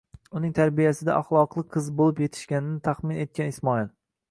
Uning tarbiyasida axloqli qiz bo'lib yetishganini taxmin etgan Ismoil